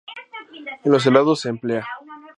En los helados se emplea.